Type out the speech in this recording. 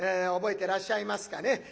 覚えてらっしゃいますかね？